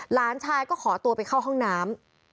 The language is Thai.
หลานชายก็ขอตัวไปเข้าห้องน้ำ